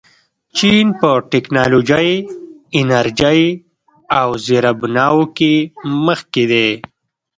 چین په ټیکنالوژۍ، انرژۍ او زیربناوو کې مخکښ دی.